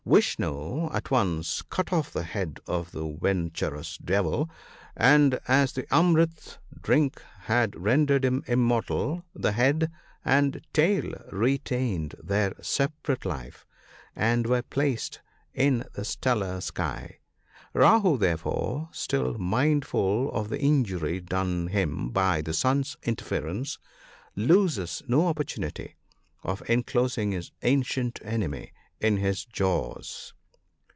Vishnu at once cut off the head of the venturous devil, but as the " amrit " drink had rendered him immortal the head and tail retained their separate life, and were placed in the stellar sky. Rahoo, therefore, still mindful of the injury done him by the sun's interference, loses no opportunity of enclosing his ancient enemy in his jaws.